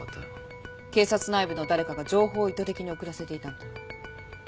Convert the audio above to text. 警察内部の誰かが情報を意図的に遅らせていたんだ。